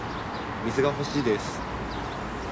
水が欲しいです